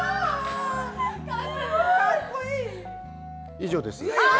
以上です。